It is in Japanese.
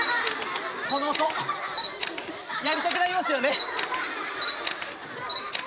この音やりたくなりますよね。